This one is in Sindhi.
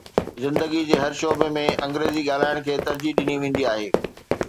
زندگيءَ جي هر شعبي ۾ انگريزي ڳالهائڻ کي ترجيح ڏني ويندي آهي